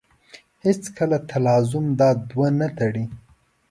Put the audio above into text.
هېڅکله تلازم دا دوه نه تړي.